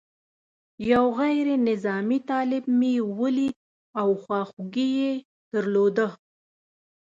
یو غیر نظامي طالب مې ولید او خواخوږي یې درلوده.